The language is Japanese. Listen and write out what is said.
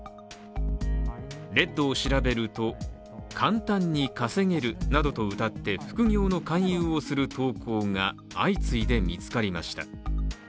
ＲＥＤを調べると簡単に稼げるなどとうたって、副業の勧誘をする投稿が相次いで見つかりました。